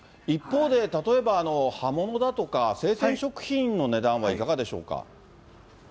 一方で、例えば葉物だとか、生鮮食品の値段はいかがでしょうか。